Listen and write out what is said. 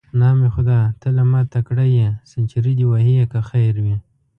نام خدای، ته له ما تکړه یې، سنچري دې وهې که خیر وي.